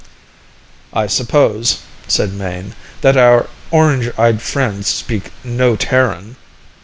"I suppose," said Mayne, "that our orange eyed friends speak no Terran?"